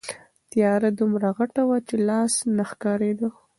تیاره دومره غټه وه چې لاس نه ښکارېده.